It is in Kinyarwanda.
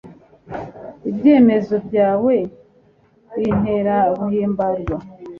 Ibyemezo byawe bintera guhimbarwa